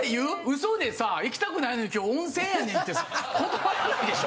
嘘でさ行きたくないのに「今日温泉やねん」って断ってないでしょ？